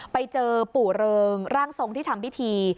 ไปเจอปู่เริงร่างทรงที่ทำพิธี